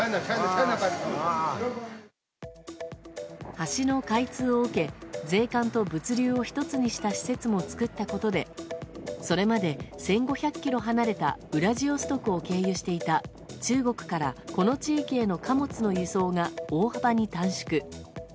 橋の開通を受け税関と物流を１つにした施設も作ったことでそれまで１５００ｋｍ離れたウラジオストクを経由していた中国からこの地域への貨物の輸送が大幅に短縮。